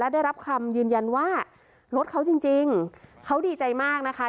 ได้รับคำยืนยันว่ารถเขาจริงจริงเขาดีใจมากนะคะ